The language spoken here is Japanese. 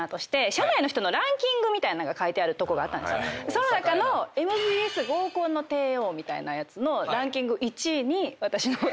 その中のＭＢＳ合コンの帝王みたいなやつのランキング。